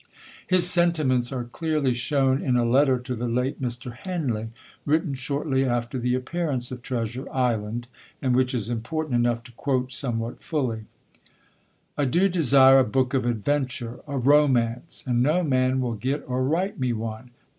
His sentiments are clearly shown in a letter to the late Mr. Henley, written shortly after the appearance of Treasure Island, and which is important enough to quote somewhat fully: "I do desire a book of adventure a romance and no man will get or write me one.